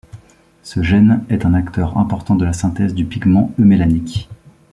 Ce gène est un acteur important de la synthèse du pigment eumélanique.